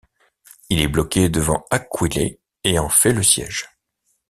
Il est bloqué devant Aquilée et en fait le siège.